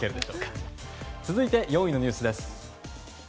続いて４位のニュースです。